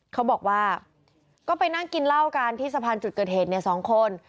เขาบอกว่าก็ไปนั่งกินเหล้ากันที่สะพานจุดเกิดเหตุเนี่ย๒คน